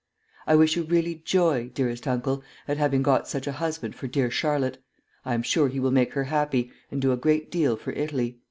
I wish you really joy, dearest uncle, at having got such a husband for dear Charlotte. I am sure he will make her happy, and do a great deal for Italy."